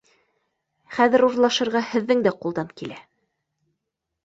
Хәҙер урлашырға һеҙҙең дә ҡулдан килә!